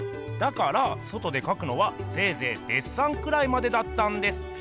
だから外でかくのはせいぜいデッサンくらいまでだったんです。